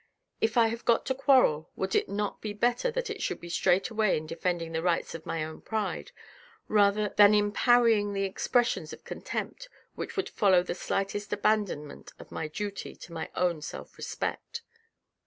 " If I have got to quarrel would it not be better that it should be straight away in defending the rights 312 THE RED AND THE BLACK of my own pride, than in parrying the expressions of contempt which would follow the slightest abandonment of my duty to my own self respect